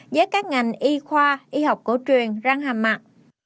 với các ngành y khoa y học cổ truyền răng hàm mặn